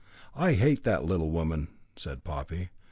"I hate that little woman," said Poppy.